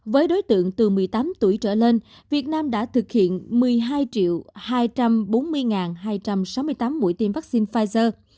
với đối tượng từ một mươi tám tuổi trở lên việt nam đã thực hiện một mươi hai hai trăm bốn mươi hai trăm sáu mươi tám mũi tiêm vaccine pfizer